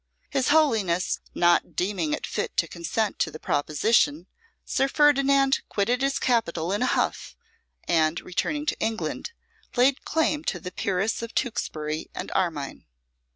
His Holiness not deeming it fit to consent to the proposition, Sir Ferdinand quitted his capital in a huff, and, returning to England, laid claim to the peerages of Tewkesbury and Armine.